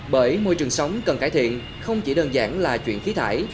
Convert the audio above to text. bởi môi trường sống cần cải thiện không chỉ đơn giản là chuyện khí thải